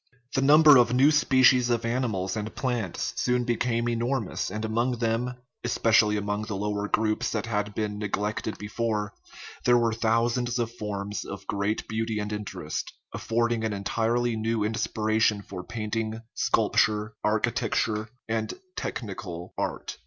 The number of new species of animals and plants soon became enormous, and among them (especially among the lower groups that had been neglected before) there were thousands of forms of great beauty and interest, affording an entirely new inspiration for painting, sculp ture, architecture, and technical art.